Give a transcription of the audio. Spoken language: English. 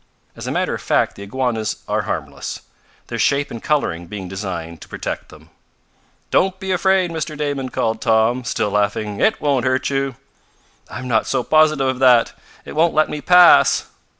As a matter of fact the iguanas are harmless, their shape and coloring being designed to protect them. "Don't be afraid, Mr. Damon," called Tom, still laughing. "It won't hurt you!" "I'm not so positive of that. It won't let me pass."